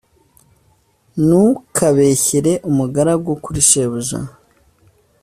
“ntukabeshyere umugaragu kuri shebuja,